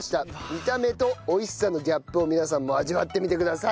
見た目と美味しさのギャップを皆さんも味わってみてください。